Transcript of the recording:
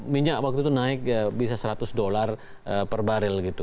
minyak waktu itu naik bisa seratus dolar per barrel gitu